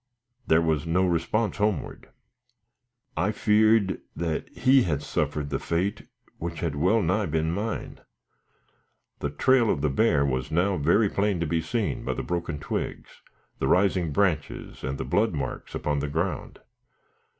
There was no response homeward. I feared that he had suffered the fate which had well nigh been mine. The trail of the bear was now very plain to be seen by the broken twigs, the rising branches, and the blood marks upon the ground.